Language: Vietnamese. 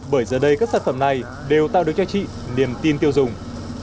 bởi giờ đây các sản phẩm này đều tạo được cho chị niềm tin tiêu dùng